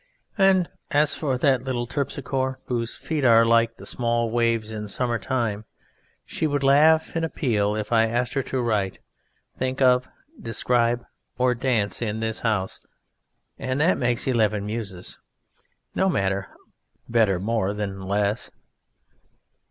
And as for little Terpsichore whose feet are like the small waves in summer time, she would laugh in a peal if I asked her to write, think of, describe, or dance in this house (and that makes eleven Muses. No matter; better more than less).